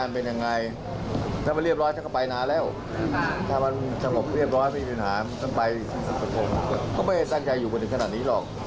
เพื่อให้เธอตามส่วนความหุ้มเย็นสบใส